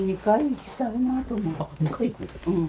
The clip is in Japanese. うん？